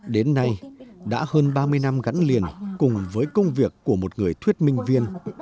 đến nay đã hơn ba mươi năm gắn liền cùng với công việc của một người thuyết minh viên